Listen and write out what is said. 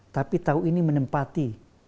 tapi tahu ini menempati